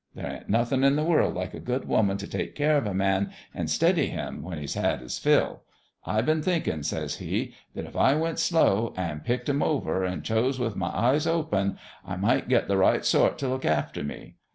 There ain't nothin' in the world like a good woman t' take care of a man, an' steady him, when he's had his fill. I been thinkin',' says he, * that if I went slow, an' picked 'em GINGERBREAD 187 over, an' chose with my eyes open, I might get the right sort t' look after me.